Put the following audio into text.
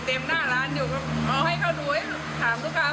เอาให้เข้าดูให้ถามคุ้ก้าวะ